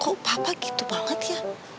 oh papa gitu banget ya